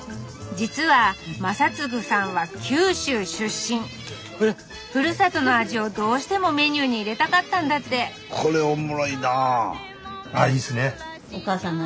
実は正次さんは九州出身スタジオえ⁉ふるさとの味をどうしてもメニューに入れたかったんだってスタジオ